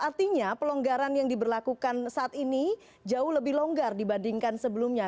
artinya pelonggaran yang diberlakukan saat ini jauh lebih longgar dibandingkan sebelumnya